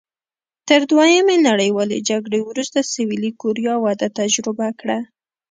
تر دویمې نړیوالې جګړې وروسته سوېلي کوریا وده تجربه کړه.